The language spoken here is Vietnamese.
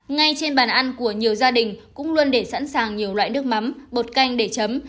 ngay trên bàn ăn của nhiều gia đình cũng luôn để sẵn sàng nhiều loại nước mắm bột canh để chấm